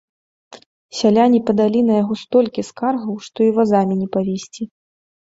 Сяляне падалі на яго столькі скаргаў, што і вазамі не павезці.